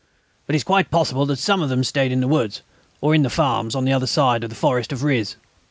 But it is quite possible that some of them stayed in the woods, or in the farms, on the other side of the forest of Riz...."